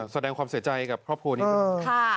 แสดงความเสียใจกับครอบครัวนี้ด้วย